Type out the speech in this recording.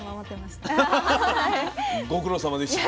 ご苦労さまでした。